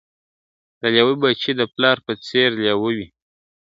د لېوه بچی د پلار په څېر لېوه وي ..